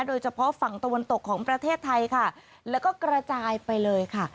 โดยเฉพาะฝั่งตะวันตกของประเทศไทยค่ะแล้วก็กระจายไปเลยค่ะ